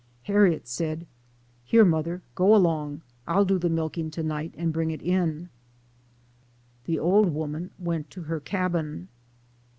Harriet said, " Here, mother, go 'long; I'll do the niilkin' to night and bring it in." The old woman went to her cabin.